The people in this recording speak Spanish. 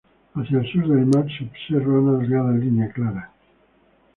Hacia el sur del mar se observa una delgada línea clara.